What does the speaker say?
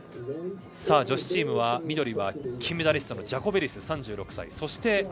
さあ、女子チームは緑は金メダリストのジャコベリス３６歳。